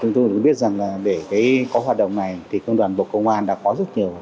chúng tôi cũng biết rằng để có hoạt động này công đoàn bộ công an đã có rất nhiều